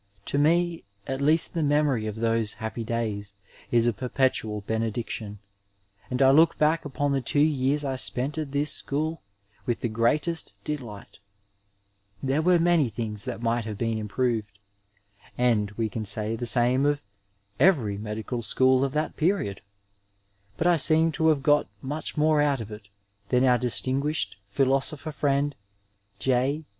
To me at least the memory of those happy days is a perpetual benediction, and I look back upon the two years I spent at this school with the greatest de light. There were many things that might have been im proved — and we can say the same of every medical school of that period — but I seem to have got much more out of it 868 Digitized by Google THE MASTER WORD IN MEDICINE than our distinguished philosophy friend, J.